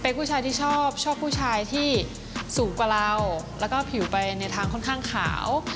เป็นผู้ชายที่ชอบชอบผู้ชายที่สูงกว่าเราแล้วก็ผิวไปในทางค่อนข้างขาว